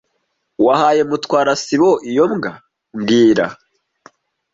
Wahaye Mutwara sibo iyo mbwa mbwira